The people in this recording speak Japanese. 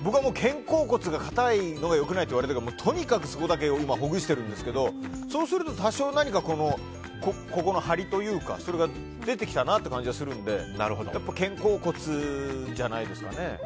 僕は肩甲骨が硬いのが良くないって言われてるのでとにかくそこだけを今、ほぐしてるんですけど多少、ここの張りというかそれが出てきたという感じがするので肩甲骨じゃないですかね。